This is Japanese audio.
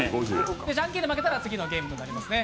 じゃんけんで負けたら次のゲームになりますね。